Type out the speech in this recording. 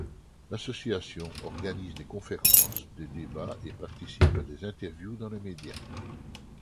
L'association organise des conférences, des débats et participe à des interviews dans les médias.